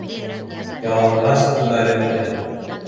Яланғас ҡулдары менән